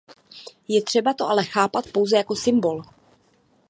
Je třeba to ale chápat pouze jako symbol.